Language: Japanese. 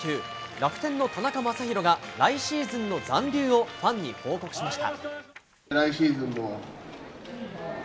楽天の田中将大が来シーズンの残留をファンに報告しました。